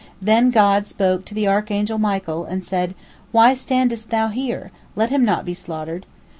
Then God spoke to the archangel Michael, and said: "Why standest thou here? Let him not be slaughtered."